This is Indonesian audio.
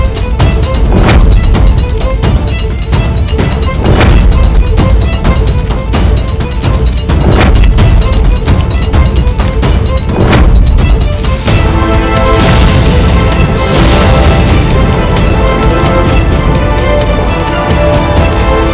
tidak pernah memalukan